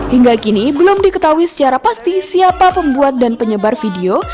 hingga kini belum diketahui secara pasti siapa pembuat dan penyebar video